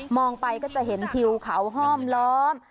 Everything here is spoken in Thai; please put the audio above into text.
ไปก็จะเห็นทิวเขาห้อมล้อม